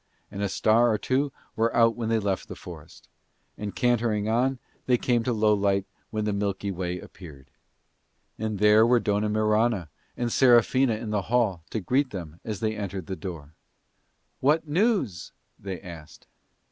And a star or two were out when they left the forest. And cantering on they came to Lowlight when the Milky Way appeared. And there were Dona Mirana and Serafina in the hall to greet them as they entered the door. "What news?" they asked.